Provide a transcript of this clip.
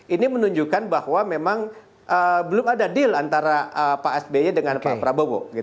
ini menunjukkan bahwa memang belum ada deal antara pak sby dengan pak prabowo